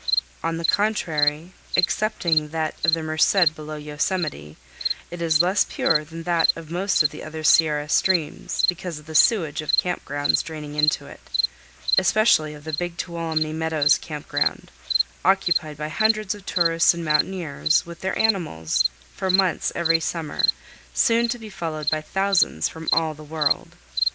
On the contrary, excepting that of the Merced below Yosemite, it is less pure than that of most of the other Sierra streams, because of the sewerage of camp grounds draining into it, especially of the Big Tuolumne Meadows camp ground, occupied by hundreds of tourists and mountaineers, with their animals, for months every summer, soon to be followed by thousands from all the world.